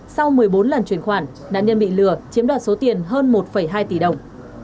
sau một mươi bốn lần chuyển khoản nạn nhân bị lừa chiếm đoạt số tiền hơn một hai tỷ đồng